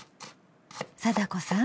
貞子さん